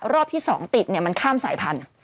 รอบที่๒ติดเนี่ยมันข้ามสายพันย่อย